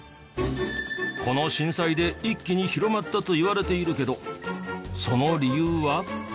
この震災で一気に広まったといわれているけどその理由は？